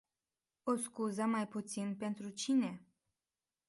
O scuză mai puțin pentru cine?